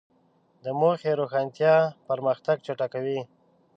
د موخې روښانتیا پرمختګ چټکوي.